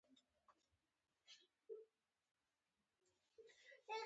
افغانستان تر هغو نه ابادیږي، ترڅو هنرمندان د سولې سندرې ونه وايي.